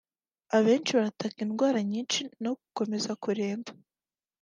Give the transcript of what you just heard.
Abenshi barataka indwara nyinshi no gukomeza kuremba